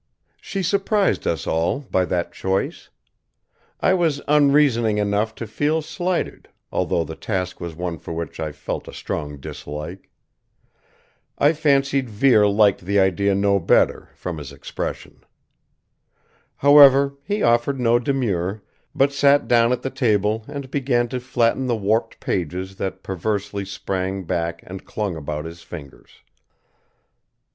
She surprised us all by that choice. I was unreasoning enough to feel slighted, although the task was one for which I felt a strong dislike. I fancied Vere liked the idea no better, from his expression. However, he offered no demur, but sat down at the table and began to flatten the warped pages that perversely sprang back and clung about his fingers.